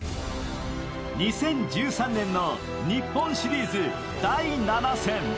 ２０１３年の日本シリーズ第７戦。